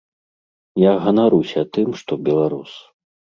Я ганаруся тым, што беларус.